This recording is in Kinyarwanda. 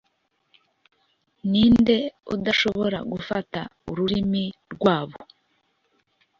ninde udashobora gufata ururimi rwabo